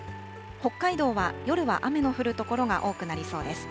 北海道は夜は雨の降る所が多くなりそうです。